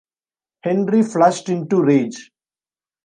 Henry flushed into rage.